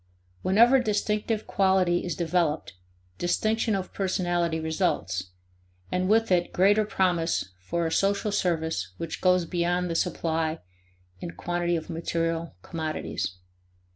Whenever distinctive quality is developed, distinction of personality results, and with it greater promise for a social service which goes beyond the supply in quantity of material commodities.